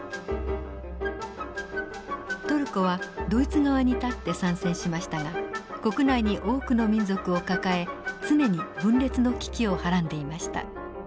トルコはドイツ側に立って参戦しましたが国内に多くの民族を抱え常に分裂の危機をはらんでいました。